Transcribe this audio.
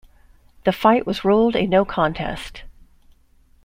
The fight was ruled a no contest.